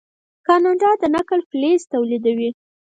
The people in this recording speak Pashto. کاناډا د نکل فلز تولیدوي.